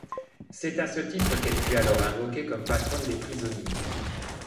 C'est à ce titre qu'elle fut alors invoquée comme patronne des prisonniers.